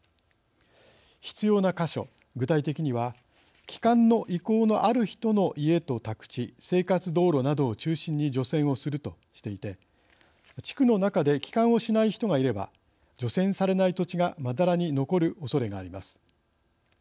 具体的には帰還の意向のある人の家と宅地、生活道路などを中心に除染をするとしていて地区の中で帰還をしない人がいれば除染されない土地がまだらに残るおそれがあります。